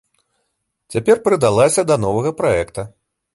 Цяпер прыдалася для новага праекта.